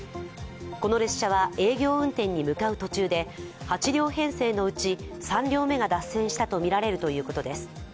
この列車は営業運転に向かう途中で、８両編成のうち３両目が脱線したとみられるということです。